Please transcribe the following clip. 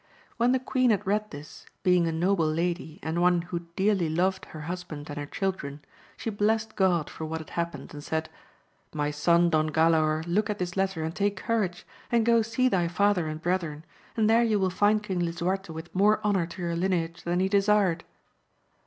When the queen had read this, being a noble lady and one who dearly loved her husband and her children, she blessed God for what had happened, and said. My son Don Galaor look at this letter and take courage, and go see thy father and brethren, and there you will find King Lisuarte with more honour to your lineage than he desired.